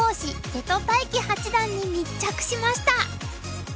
瀬戸大樹八段に密着しました。